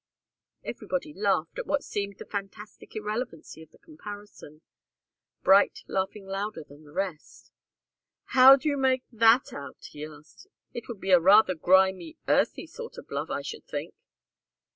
Everybody laughed at what seemed the fantastic irrelevancy of the comparison Bright laughing louder than the rest. "How do you make that out?" he asked. "It would be rather a grimy, earthy sort of love, I should think."